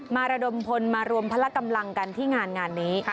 มาระดมพลมารวมพละกำลังกันที่งานนี้